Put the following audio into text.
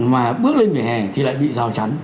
mà bước lên vỉa hè thì lại bị rào chắn